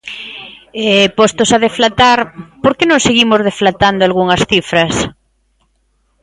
E, postos a deflatar, ¿por que non seguimos deflatando algunhas cifras?